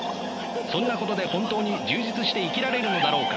そんなことで本当に充実して生きられるのだろうか。